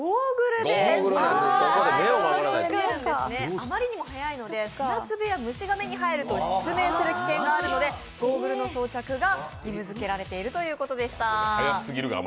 あまりにも速いので虫などが目に入ると失明する危険があるので、ゴーグルの装着が義務づけられているということでした。